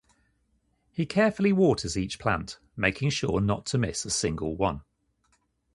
He carefully waters each plant, making sure not to miss a single one.